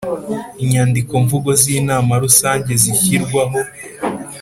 Inyandikomvugo z Inama rusange zishyirwaho